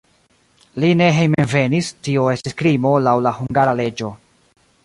Li ne hejmenvenis, tio estis krimo laŭ la hungara leĝo.